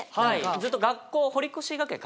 ずっと学校。